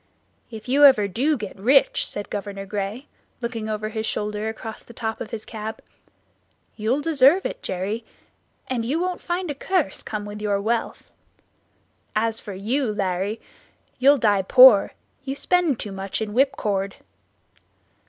"If you ever do get rich," said Governor Gray, looking over his shoulder across the top of his cab, "you'll deserve it, Jerry, and you won't find a curse come with your wealth. As for you, Larry, you'll die poor; you spend too much in whipcord."